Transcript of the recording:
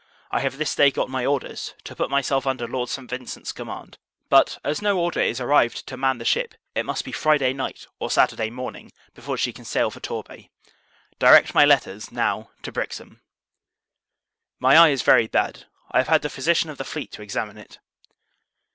I have this day got my orders, to put myself under Lord St. Vincent's command: but, as no order is arrived to man the ship, it must be Friday night, or Saturday morning, before she can sail for Torbay. Direct my letters, now, to Brixham. My eye is very bad. I have had the physician of the fleet to examine it.